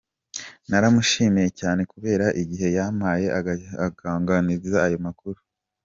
Naramushimiye cyane kubera igihe yampaye aganiriza ayo makuru.